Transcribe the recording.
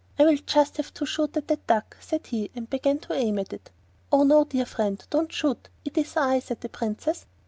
'I will just have a shot at that duck,' said he, and began to aim at it. 'Oh, no, dear friend, don't shoot! It is I,' said the Princess.